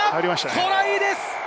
トライです！